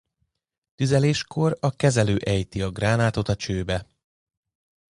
Tüzeléskor a kezelő ejti a gránátot a csőbe.